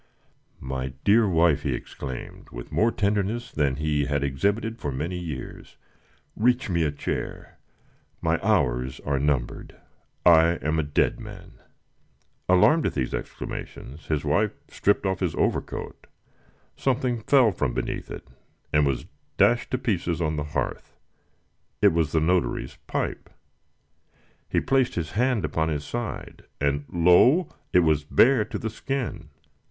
"My dear wife!" he exclaimed, with more tenderness than he had exhibited for many years, "reach me a chair. My hours are numbered. I am a dead man!" Alarmed at these exclamations, his wife stripped off his overcoat. Something fell from beneath it, and was dashed to pieces on the hearth. It was the notary's pipe. He placed his hand upon his side, and lo! it was bare to the skin.